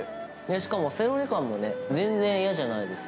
しかもセロリ感もね、全然やじゃないです。